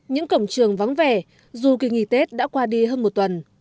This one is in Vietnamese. những cổng trường vắng vẻ dù kỳ nghỉ tết đã qua đi hơn một tuần